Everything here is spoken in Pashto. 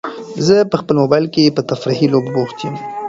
زه په خپل موبایل کې په تفریحي لوبو بوخت یم.